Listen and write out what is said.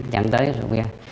dẫn tới rượu bia